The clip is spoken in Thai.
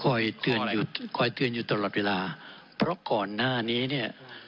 คอยเตือนอยู่คอยเตือนอยู่ตลอดเวลาเพราะก่อนหน้านี้เนี่ย